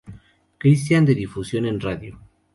Christian de difusión en radio.